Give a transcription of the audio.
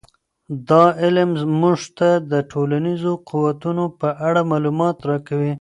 دا علم موږ ته د ټولنیزو قوتونو په اړه معلومات راکوي.